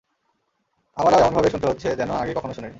আমারও এমনভাবে শুনতে হচ্ছে যেন আগে কখনও শুনিনি।